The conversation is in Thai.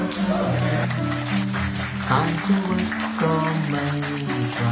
จำคนใครคนนี้ได้ก่อน